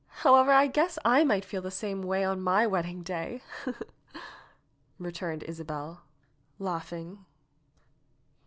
However, I guess I might feel the same way on my wedding day," returned Isabel, laughing.